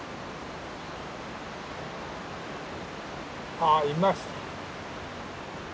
ああいました。